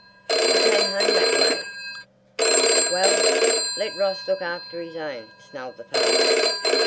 "I came home that way." "Well—let Ross look after his own," snarled the father.